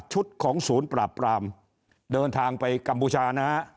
ชุดของศูนย์ปราบปรามเดินทางไปกัมพูชานะฮะ